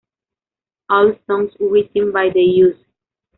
All songs written by The Used.